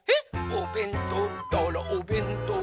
「おべんとうったらおべんとう！